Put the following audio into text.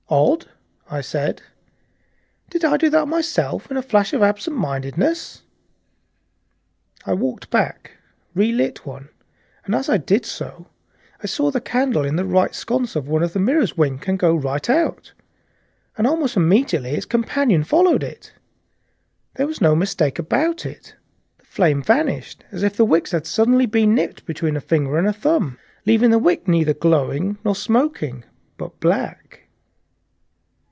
"Odd," I said. "Did I do that myself in a flash of absent mindedness?" I walked back, relit one, and as I did so I saw the candle in the right sconce of one of the mirrors wink and go right out, and almost immediately its companion followed it. The flames vanished as if the wick had been suddenly nipped between a finger and thumb, leaving the wick neither glowing nor smoking, but black.